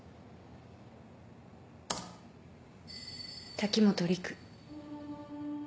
滝本陸。